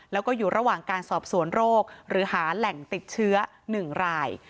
แล้วก็อยู่ระหว่างการสอบสวนโรคหรือหาแหล่งติดเชื้อ๑ราย